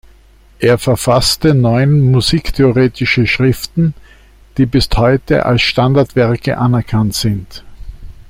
Er verfasste neun musiktheoretische Schriften, die bis heute als Standardwerke anerkannt sind.